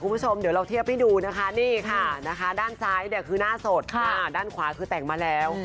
คุณผู้ชมเดี๋ยวเราเทียบให้ดูนะคะนี่ค่ะนะคะด้านซ้ายเนี่ยคือหน้าสดด้านขวาคือแต่งมาแล้ว